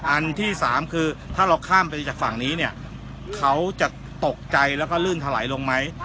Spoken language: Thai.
อันที่สามคือถ้าเราข้ามไปจากฝั่งนี้เนี่ยเขาจะตกใจแล้วก็ลื่นถลายลงไหม